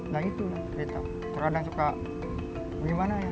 nah itu kita terkadang suka gimana ya